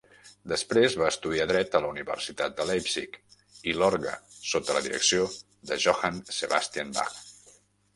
Després, va estudiar dret a la universitat de Leipzig i l'orgue sota la direcció de Johann Sebastian Bach.